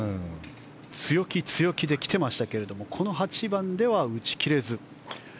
強気、強気で来ていましたけどこの８番ではジョン・ラーム打ち切れず。